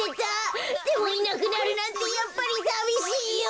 でもいなくなるなんてやっぱりさびしいよ！